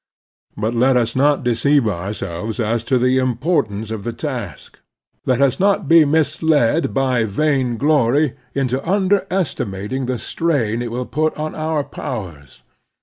But let us not deceive ourselves as to the importance of the task. Let us not be misled by vainglory into x9 The Strenuous Life iinderestimating the strain tt will put on otir powers.